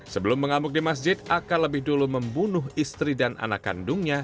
sebelum mengamuk di masjid aka lebih dulu membunuh istri dan anak kandungnya